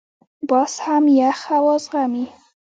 باز هم یخ هوا زغمي